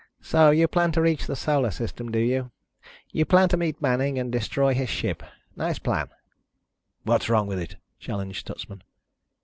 "So you plan to reach the Solar System, do you? You plan to meet Manning, and destroy his ship. Nice plan." "What's wrong with it?" challenged Stutsman.